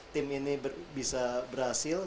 tim ini bisa berhasil